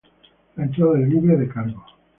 La entrada es libre de cargos.